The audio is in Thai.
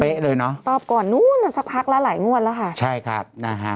เลยเนอะรอบก่อนนู้นน่ะสักพักแล้วหลายงวดแล้วค่ะใช่ครับนะฮะ